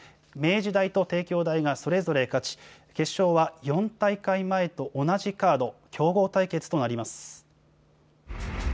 明治大と帝京大がそれぞれ勝ち、決勝は４大会前と同じカード、強豪対決となります。